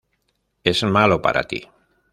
Es malo para ti.